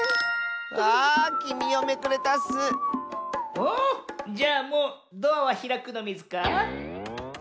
おじゃあもうドアはひらくのミズか？